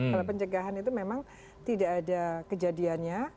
kalau pencegahan itu memang tidak ada kejadiannya